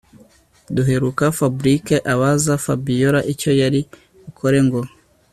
Duheruka fabric abaza Fabiora icyo yari bukore ngo